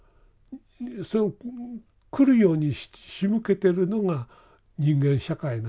それを来るようにしむけてるのが人間社会なんですね。